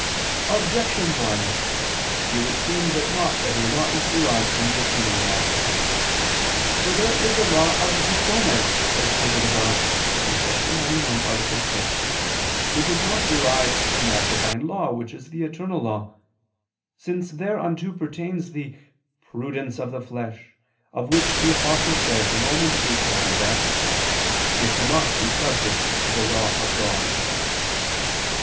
Objection 1: It would seem that not every law is derived from the eternal law. For there is a law of the fomes, as stated above (Q. 91, A. 6), which is not derived from that Divine law which is the eternal law, since thereunto pertains the "prudence of the flesh," of which the Apostle says (Rom. 8:7), that "it cannot be subject to the law of God."